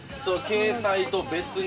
携帯と別に？